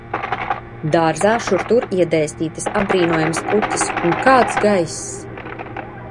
Dārzā šur tur iedēstītas apbrīnojamas puķes, un kāds gaiss!